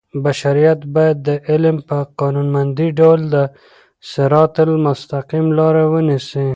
بشریت باید د علم په قانونمند ډول د صراط المستقیم لار ونیسي.